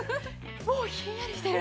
もうひんやりしてる！